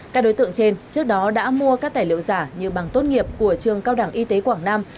các đối tượng trên trước đó đã mua các tài liệu giả như bằng tốt nghiệp của trường cao đẳng y tế quảng nam